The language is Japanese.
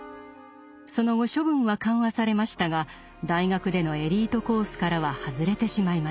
その後処分は緩和されましたが大学でのエリートコースからは外れてしまいました。